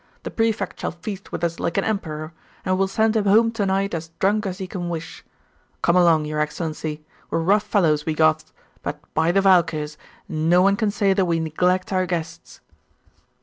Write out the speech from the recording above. The Prefect shall feast with us like an emperor, and we'll send him home to night as drunk as he can wish. Come along, your Excellency; we're rough fellows, we Goths; but by the Valkyrs, no one can say that we neglect our guests!